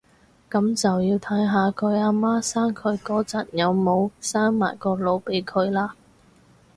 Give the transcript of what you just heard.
噉就要睇下佢阿媽生佢嗰陣有冇生埋個腦俾佢喇